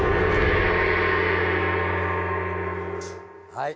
はい。